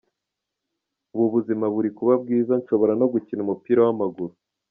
Ubu ubuzima buri kuba bwiza nshobora no gukina umupira w’amaguru.